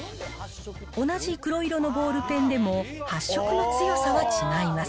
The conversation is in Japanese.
同じ黒色のボールペンでも、発色の強さは違います。